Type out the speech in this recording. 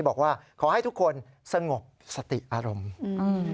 บอกว่าขอให้ทุกคนสงบสติอารมณ์อืม